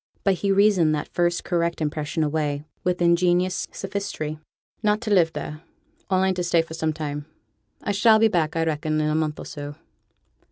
But he reasoned that first correct impression away with ingenious sophistry. 'Not to live there: only to stay for some time. I shall be back, I reckon, in a month or so.'